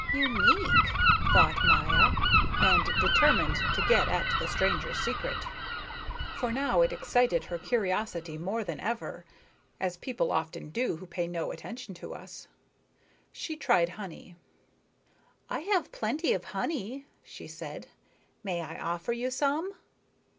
"Unique," thought Maya, and determined to get at the stranger's secret. For now it excited her curiosity more than ever, as people often do who pay no attention to us. She tried honey. "I have plenty of honey," she said. "May I offer you some?"